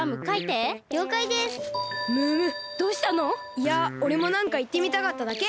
いやおれもなんかいってみたかっただけ。